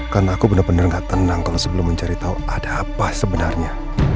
kan aku bener bener gak tenang kalau sebelum mencari tahu ada apa sebenarnya